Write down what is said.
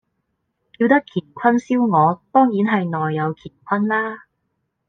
叫得乾坤燒鵝，當然係內有乾坤啦